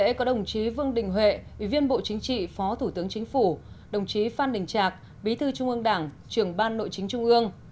lễ có đồng chí vương đình huệ ủy viên bộ chính trị phó thủ tướng chính phủ đồng chí phan đình trạc bí thư trung ương đảng trưởng ban nội chính trung ương